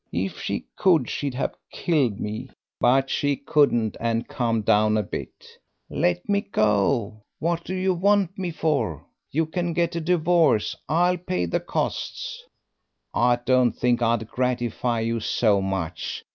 If she could she'd have killed me, but she couldn't and calmed down a bit. 'Let me go; what do you want me for? You can get a divorce.... I'll pay the costs.' "'I don't think I'd gratify you so much.